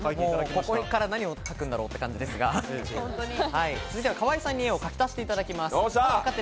ここから何を描くんだろうという感じですが、続いては河合さんに絵を描き足していただきます。